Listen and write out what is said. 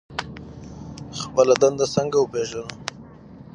خپل مسوولیت څنګه وپیژنو؟